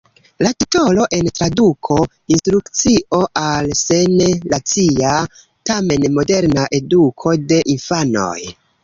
La titolo en traduko: "Instrukcio al se ne racia tamen moderna eduko de infanoj".